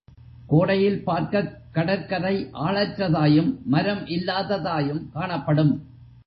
கோடையில் பார்க்கக் கடற்கரை ஆளற்றதாயும் மரம் இல்லாததாயும் காணப்படும்.